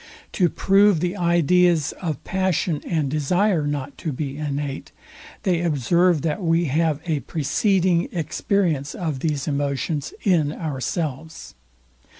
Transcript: To prove the ideas of passion and desire not to be innate, they observe that we have a preceding experience of these emotions in ourselves.